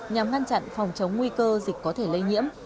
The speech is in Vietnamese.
nhằm ngăn chặn phòng chống nguy cơ dịch có thể lây nhiễm